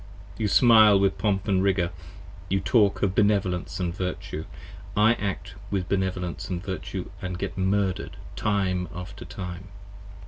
You smile with pomp & rigor: you talk of benevolence & virtue; 25 I act with benevolence & Virtue & get murder'd time after time.